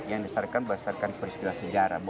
yang disarankan berdasarkan peristiwa sejarah